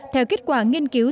theo kết quả nghiên cứu